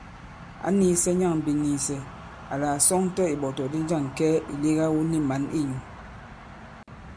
Ǎ nīīsɛ̄ nyâŋ biniisɛ àla à sɔŋtɛ ìɓɔ̀tɔ̀kdi njâŋ kɛɛ ì lega wu ni mǎn i nyū.